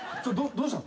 どうしたの？